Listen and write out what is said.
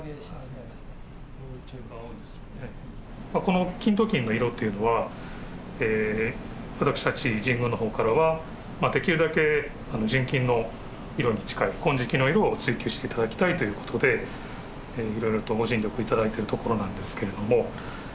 この金鍍金の色っていうのは私たち神宮の方からはできるだけ純金の色に近い金色の色を追求して頂きたいということでいろいろとご尽力頂いているところなんですけれども。